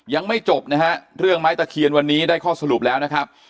ยังไม่จบนะฮะเรื่องไม้ตะเคียนวันนี้ได้ข้อสรุปแล้วนะครับ